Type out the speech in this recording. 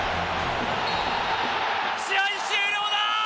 試合終了だ！